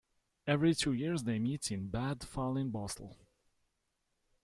Every two years they meet in Bad Fallingbostel.